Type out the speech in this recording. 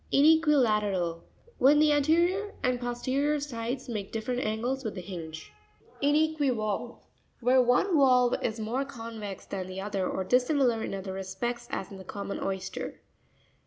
Ine'QuiLaATERAL.— When the anterior and posterior sides make different angles with the hinge. Inr'quivaLvE.—Where one valve is more convex than the other, or dis similar in other respects, as in the common oyster.